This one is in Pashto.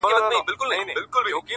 • حرص غالب سي عقل ولاړ سي مرور سي -